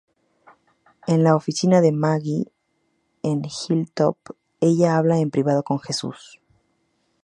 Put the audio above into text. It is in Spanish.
En la oficina de Maggie en Hilltop, ella habla en privado con Jesús.